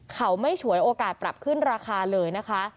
เขาไม่ฉวยโอกาสปรับขึ้นราคาเลยนะคะ